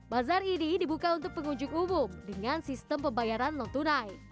bazar ini dibuka untuk pengunjung umum dengan sistem pembayaran non tunai